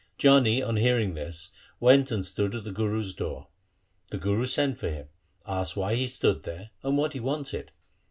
Jani on hearing this went and stood at the Guru's door. The Guru sent for him, asked why he stood there, and what he wanted.